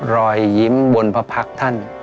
รอยยิ้มบนพระพักษ์ท่าน